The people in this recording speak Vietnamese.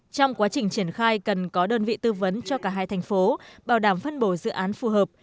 trong quá trình triển khai cần có đơn vị tư vấn cho cả hai thành phố bảo đảm phân bổ dự án phù hợp